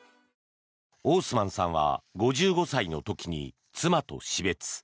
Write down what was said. オースマンさんは５５歳の時に妻と死別。